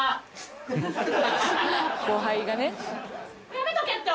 やめとけって！